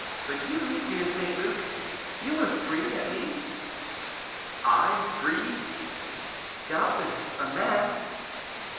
But you, dear St. Luc; you were free, at least?" "I, free?" "Doubtless, a man."